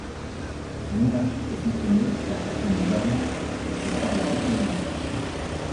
L'énergie est consommée par certaines armes et par les technologies.